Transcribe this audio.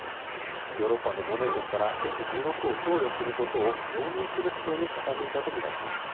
ヨーロッパの同盟国からＦ１６を供与することを容認する姿勢に傾いたと見られます。